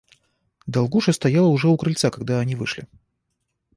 Долгуша стояла уже у крыльца, когда они вышли.